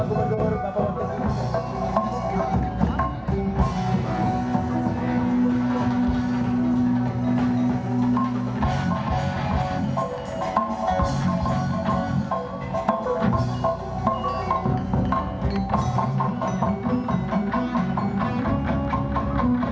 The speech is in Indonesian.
iya kita beri tepuk tangan kepada dia ini dia